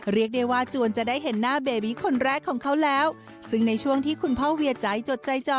เรียกได้ว่าจวนจะได้เห็นหน้าเบบีคนแรกของเขาแล้วซึ่งในช่วงที่คุณพ่อเวียใจจดใจจอ